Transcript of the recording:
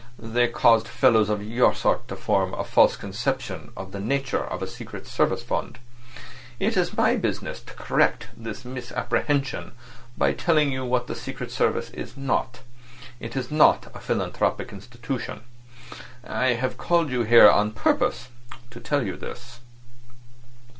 They caused fellows of your sort to form a false conception of the nature of a secret service fund. It is my business to correct this misapprehension by telling you what the secret service is not. It is not a philanthropic institution. I've had you called here on purpose to tell you this."